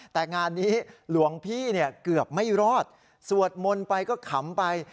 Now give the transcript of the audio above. แต่งานนี้หลวงพี่เนี่ยเกือบไม่รอดสวดมนต์ไปก็ขำไป